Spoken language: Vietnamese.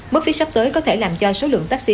mức phí sắp tới có thể làm cho số lượng taxi